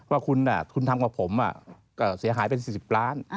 ว่าคุณทำกับผมก็เสียหายเป็น๔๐ล้าน